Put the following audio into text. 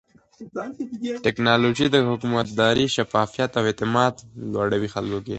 ټکنالوژي د حکومتدارۍ شفافيت او اعتماد لوړوي خلکو کې.